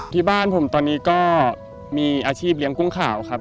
ที่บ้านผมตอนนี้ก็มีอาชีพเลี้ยงกุ้งขาวครับ